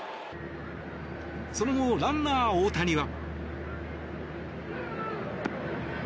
その後ランナー、大谷は。